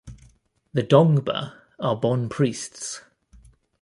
The "dongba" are Bon priests.